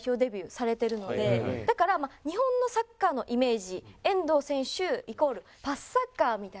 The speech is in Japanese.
だから日本のサッカーのイメージ遠藤選手イコールパスサッカーみたいな。